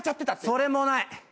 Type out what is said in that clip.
それもない。